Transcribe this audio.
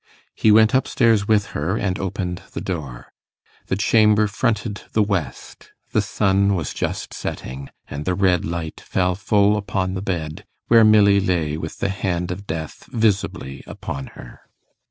He went up stairs with her and opened the door. The chamber fronted the west; the sun was just setting, and the red light fell full upon the bed, where Milly lay with the hand of death visibly upon her.